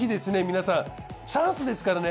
皆さんチャンスですからね